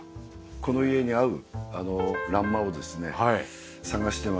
この家に合う欄間をですね探してまして。